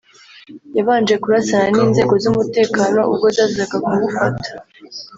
yabanje kurasana n’inzego z’umutekano ubwo zazaga kumufata